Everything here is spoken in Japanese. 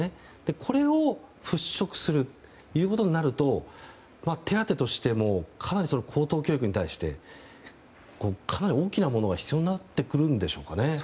これを払拭するということになると手当としても、高等教育に対してかなり大きなものが必要になってくるんでしょうかね。